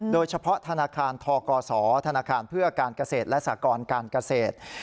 โดยเฉพาะธนาคารทกศธนาคารเพื่อการเกษตรและสากรการเกษตร